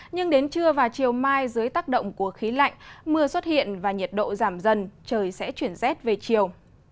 nhưng đến trưa và chiều mai dưới tác động của khí lạnh mưa xuất hiện và nhiệt độ giảm dần trời sẽ chuyển rét về chiều